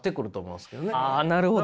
あなるほど。